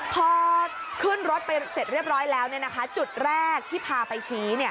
พอขึ้นรถไปเสร็จเรียบร้อยแล้วจุดแรกที่พาไปชี้